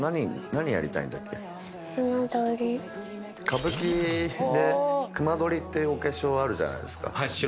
歌舞伎で隈取りってお化粧あるじゃないですか。